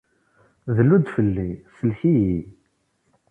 Dlu-d fell-i, sellek-iyi.